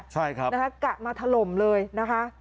ใช่ครับนะคะกะมาถล่มเลยนะคะ